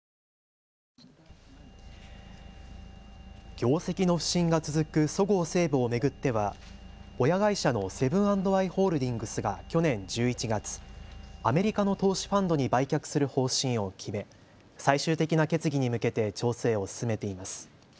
業績の不振が続くそごう・西武を巡っては親会社のセブン＆アイ・ホールディングスが去年１１月、アメリカの投資ファンドに売却する方針を決め、最終的な決議に向けて調整を進めています。